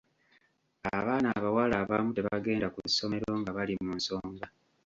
Abaana abawala abamu tebagenda ku ssomero nga bali mu nsonga.